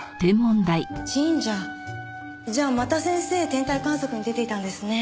じゃあまた先生天体観測に出ていたんですね。